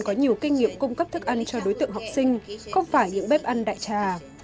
có nhiều kinh nghiệm cung cấp thức ăn cho đối tượng học sinh không phải những bếp ăn đại trà